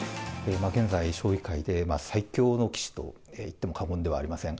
現在、将棋界で、最強の棋士といっても過言ではありません。